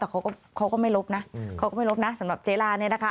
แต่เขาก็ไม่ลบนะเขาก็ไม่ลบนะสำหรับเจลาเนี่ยนะคะ